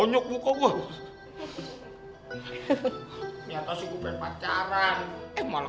untung aja gua gak ketangkep waktu gua dikejar kejar orang satu kampung